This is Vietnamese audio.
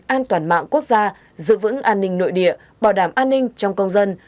an toàn mạng quốc gia giữ vững an ninh nội địa bảo đảm an ninh trong công dân